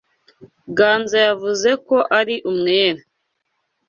Ganza yavuze ko ari umwere.